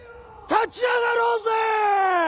・立ち上がろうぜ！